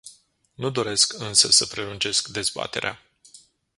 Nu doresc însă să prelungesc dezbaterea.